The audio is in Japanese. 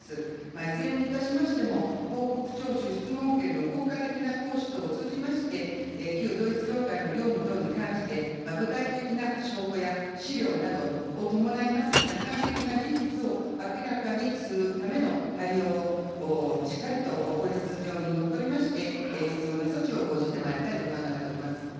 いずれにいたしましても、報告徴収、質問権の効果的な行使等を通じまして、旧統一教会の業務等に関して、具体的な証拠や資料などを伴います、客観的な事実を明らかにするための対応を、しっかりと法律上にのっとりまして、必要な措置を講じてまいりたいと考えております。